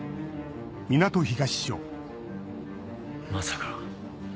まさか。